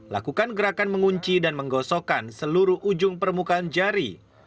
lakukan gerakan mengunci dan menggosokkan seluruh ujung permukaan jari